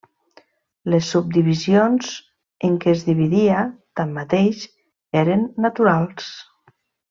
Les subdivisions en què es dividia, tanmateix, eren naturals.